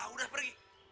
udah pergi udah